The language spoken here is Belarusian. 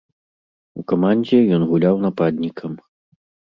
У камандзе ён гуляў нападнікам.